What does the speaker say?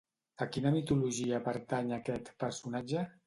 A quina mitologia pertany aquest personatge?